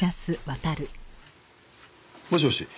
もしもし？